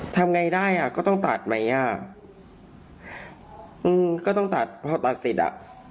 ทำไงได้อ่ะก็ต้องตัดไหมอ่ะก็ต้องตัดเพราะตัดเสร็จอ่ะ